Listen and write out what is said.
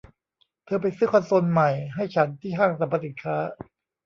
เธอไปซื้อคอนโซลใหม่ให้ฉันที่ห้างสรรพสินค้า